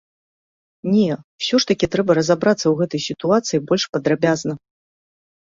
Не, усё ж такі трэба разабрацца ў гэтай сітуацыі больш падрабязна.